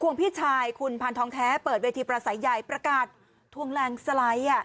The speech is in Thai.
ควงพี่ชายคุณพรรณฐองแท้เปิดเวทย์ประสายใหญ่ประกาศทวงแรงสลัยอะ